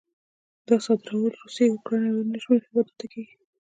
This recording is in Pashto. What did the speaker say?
دا صادرول روسیې، اوکراین او یو شمېر نورو هېوادونو ته کېږي.